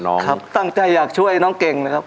ครับตั้งใจอยากช่วยน้องเก่งนะครับ